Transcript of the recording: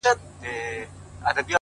• زه لکه سیوری ,